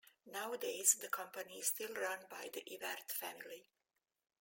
Nowadays the company is still run by the Yvert family.